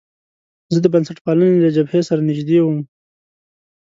زه د بنسټپالنې له جبهې سره نژدې وم.